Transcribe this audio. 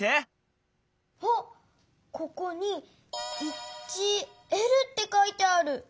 あっここに「１Ｌ」ってかいてある。